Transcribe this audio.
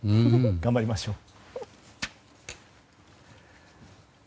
頑張りましょう。